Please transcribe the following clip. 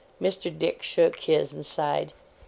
Mr. Dick shook his, and sighed.